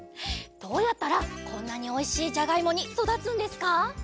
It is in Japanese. どうやったらこんなにおいしいじゃがいもにそだつんですか？